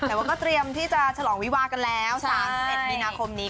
แต่ว่าก็เตรียมที่จะฉลองวิวากันแล้ว๓๑มีนาคมนี้